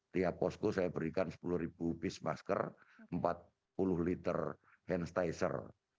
tiap posko saya berikan sepuluh bis masker empat puluh liter hand sanitizer